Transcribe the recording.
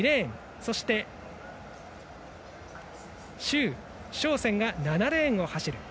そして、周召倩が７レーンを走る。